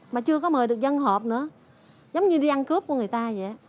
mà chưa có mời được dân hợp nữa giống như đi ăn cướp của người ta vậy